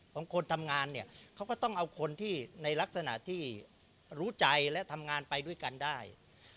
ของคนทำงานเนี่ยเขาก็ต้องเอาคนที่ในลักษณะที่รู้ใจและทำงานไปด้วยกันได้